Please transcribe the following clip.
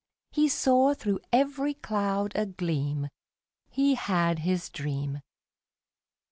He saw through every cloud a gleam He had his dream.